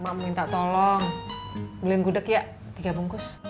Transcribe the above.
mama minta tolong beliin gudeg ya tiga bungkus